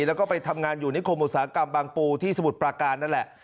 แล้วก็ไปทำงานอยู่นิคมอุตสาหกรรมบางปูที่สมุทรปราการนั่นแหละ